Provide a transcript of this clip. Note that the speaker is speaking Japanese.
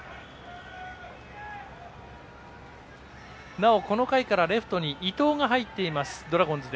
なお、この回からレフトに伊藤が入っています、ドラゴンズ。